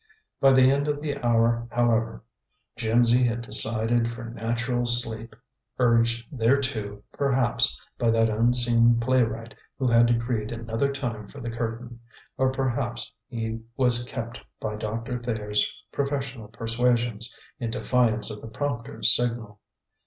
By the end of the hour, however, Jimsy had decided for natural sleep, urged thereto, perhaps, by that unseen playwright who had decreed another time for the curtain; or perhaps he was kept by Doctor Thayer's professional persuasions, in defiance of the prompter's signal.